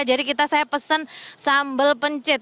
jadi kita saya pesen sambel pencit